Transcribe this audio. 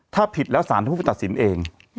ถ้าผิดแล้วสารท่านผู้ตัดสินเอง